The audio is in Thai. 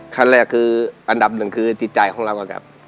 ขั้นแรกคืออันดับหนึ่งคือจิตใจของเราก่อนครับ